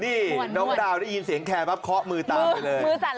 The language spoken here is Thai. นี่น้องดาวน์ได้ยินเสียงแคลค้องมือตามไปเลย